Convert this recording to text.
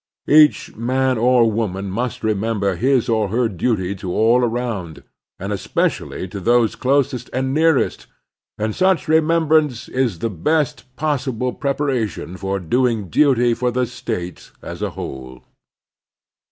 Each man or woman must remember his or her duty to all aroimd, and especially to those closest and nearest, and such remembrance is the best possible preparation for doing duty for the State as a whole.